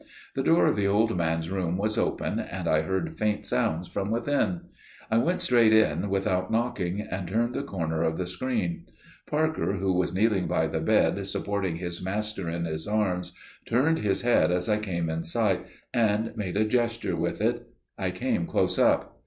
The door of the old man's room was open, and I heard faint sounds from within. I went straight in without knocking, and turned the corner of the screen. Parker, who was kneeling by the bed, supporting his master in his arms, turned his head as I came in sight, and made a gesture with it. I came close up.